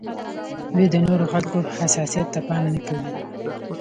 دوی د نورو خلکو حساسیت ته پام نه کوي.